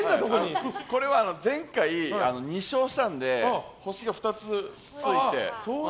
これは前回、２勝したので星が２つついて。